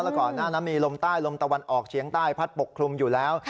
แล้วก่อนหน้านั้นมีลมใต้ลมตะวันออกเฉียงใต้พัดปกคลุมอยู่แล้ว